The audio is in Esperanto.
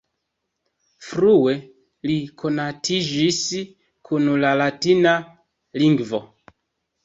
Frue li konatiĝis kun la latina lingvo.